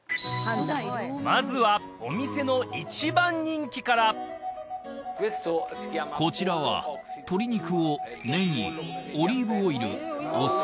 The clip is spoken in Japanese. まずはお店の一番人気からこちらは鶏肉をネギオリーブオイルお酢